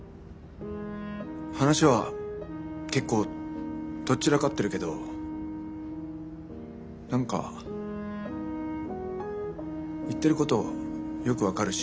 話は結構とっ散らかってるけど何か言ってることよく分かるし。